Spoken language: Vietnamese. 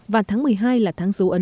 và tháng một mươi hai là tháng dấu ấn